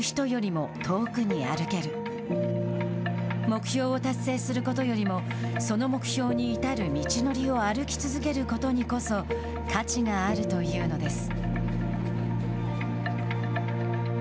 目標を達成することよりもその目標に至る道のりを歩き続けることにこそ価値があるというのです。